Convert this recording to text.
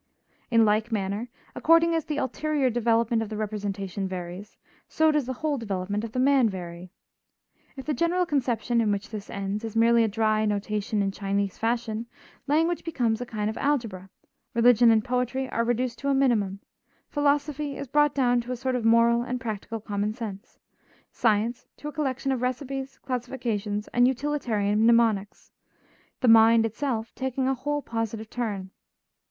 In like manner, again, according as the ulterior development of the representation varies, so does the whole development of the man vary. If the general conception in which this ends is merely a dry notation in Chinese fashion, language becomes a kind of algebra, religion and poetry are reduced to a minimum, philosophy is brought down to a sort of moral and practical common sense, science to a collection of recipes, classifications, and utilitarian mnemonics, the mind itself taking a whole positive turn.